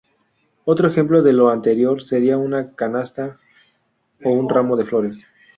Otro ejemplo de lo anterior sería una canasta o un ramo de flores.